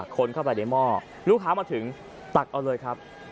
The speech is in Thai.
คนเข้าไปในหม้อลูกค้ามาถึงตักเอาเลยครับ